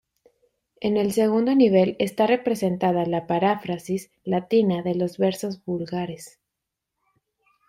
En el segundo nivel está representada la paráfrasis latina de los versos vulgares.